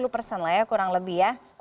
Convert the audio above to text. bersenlah ya kurang lebih ya